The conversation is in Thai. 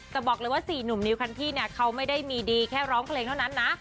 แต่บอกเลยว่า๔หนุ่มนิวคันที่เนี่ยเขาไม่ได้มีดีแค่ร้องเพลงเท่านั้นนะ